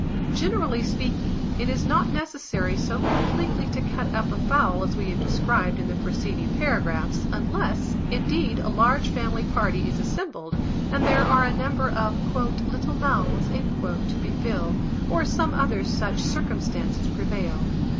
Generally speaking, it is not necessary so completely to cut up a fowl as we have described in the preceding paragraphs, unless, indeed, a large family party is assembled, and there are a number of "little mouths" to be filled, or some other such circumstances prevail.